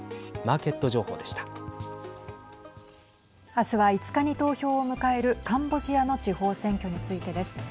あすは、５日に投票を迎えるカンボジアの地方選挙についてです。